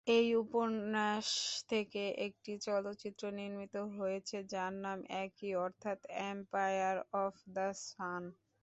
এই উপন্যাস থেকে একটি চলচ্চিত্র নির্মিত হয়েছে যার নাম একই অর্থাৎ এম্পায়ার অফ দ্য সান।